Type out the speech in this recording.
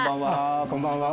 こんばんは。